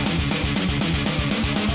bang harus kuat bang